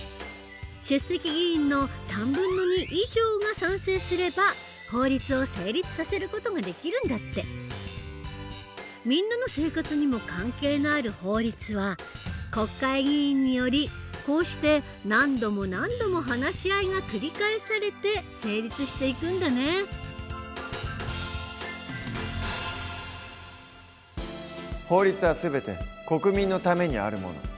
出席議員の３分の２以上が賛成すれば法律を成立させる事ができるんだって。みんなの生活にも関係のある法律は国会議員によりこうして何度も何度も法律は全て国民のためにあるもの。